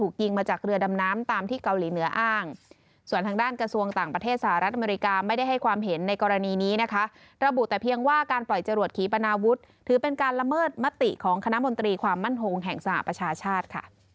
คณะมนตรีความมั่นหงษ์แห่งสหประชาชาติ